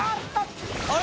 あれ？